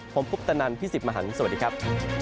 ผมพุพธนันทร์พี่สิบมหังสวัสดีครับ